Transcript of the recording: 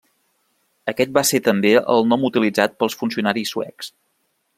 Aquest va ser també el nom utilitzat pels funcionaris suecs.